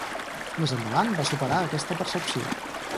Més endavant va superar aquesta percepció.